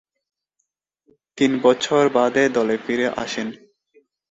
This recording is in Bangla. তিন বছর বাদে দলে ফিরে আসেন।